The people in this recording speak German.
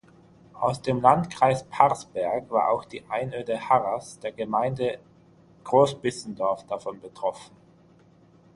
Aus dem Landkreis Parsberg war auch die Einöde Harras der Gemeinde Großbissendorf davon betroffen.